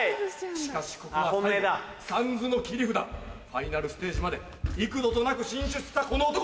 しかしここは『ＳＡＮＺＵ』の切り札ファイナルステージまで幾度となく進出したこの男！